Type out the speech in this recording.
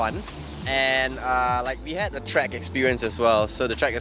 dan kami juga memiliki pengalaman di track